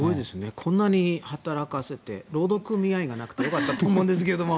こんなに働かせて労働組合がなくてよかったと思うんですが。